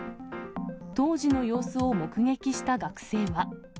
当時の様子を目撃した学生は。